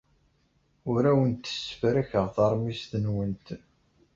Ur awent-ssefrakeɣ taṛmist-nwent.